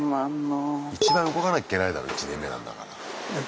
一番動かなきゃいけないだろ１年目なんだから。